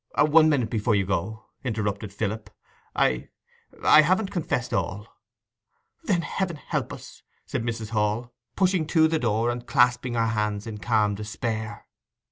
'One minute before you go,' interrupted Philip. 'I—I haven't confessed all.' 'Then Heaven help us!' said Mrs. Hall, pushing to the door and clasping her hands in calm despair.